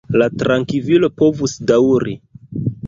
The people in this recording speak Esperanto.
La trankvilo povus daŭri.